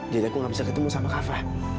jadi aku gak bisa ketemu sama kava